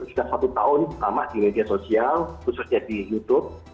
sudah satu tahun lama di media sosial khususnya di youtube